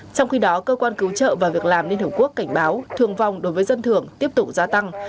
trong khi đó cơ quan cứu trợ và việc làm liên hợp quốc cảnh báo thương vong đối với dân thường tiếp tục gia tăng